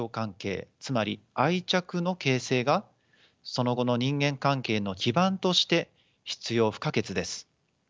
つまり愛着の形成がその後の人間関係の基盤として必要不可欠です。